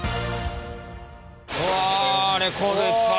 うわレコードいっぱい！